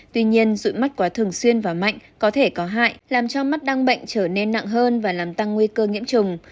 tuy nhiên dị mắt quá thường xuyên và mạnh có thể có hại làm cho mắt đang bệnh trở nên nặng hơn và làm tăng nguy cơ nhiễm trùng